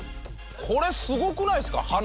これすごくないっすか？